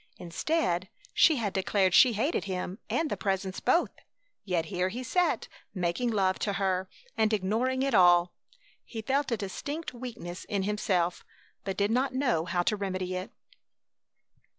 Instead she had declared she hated him and the Presence both; yet here he sat making love to her and ignoring it all! He felt a distinct weakness in himself, but did not know how to remedy it.